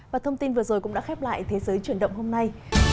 và thông tin vừa rồi cũng đã khép lại thế giới chuyển động hôm nay